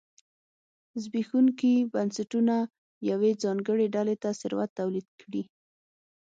زبېښونکي بنسټونه یوې ځانګړې ډلې ته ثروت تولید کړي.